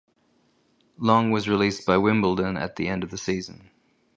Long was released by Wimbledon at the end of the season.